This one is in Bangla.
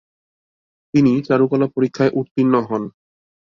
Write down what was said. তিনি চারুকলা পরীক্ষায় উত্তীর্ণ হন।